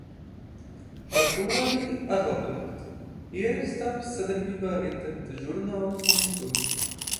Ar to arī – arlabunakti! Ieraksts tapis sadarbībā ar interneta žurnālu Punctum